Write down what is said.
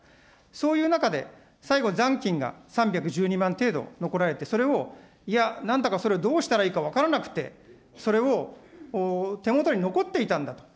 そういう中で、最後に残金が３１２万程度残られて、それを、いや、なんだかそれをどうしたらいいか分からなくて、それを手元に残っていたんだと。